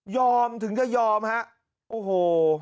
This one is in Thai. ถึงจะยอมฮะโอ้โห